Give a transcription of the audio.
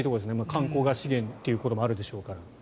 観光が資源ということもあるでしょうから。